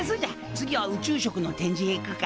次は宇宙食の展示へ行くか！